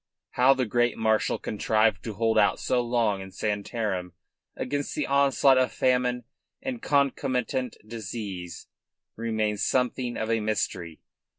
How the great marshal contrived to hold out so long in Santarem against the onslaught of famine and concomitant disease remains something of a mystery.